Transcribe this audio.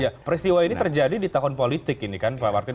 ya peristiwa ini terjadi di tahun politik ini kan pak martin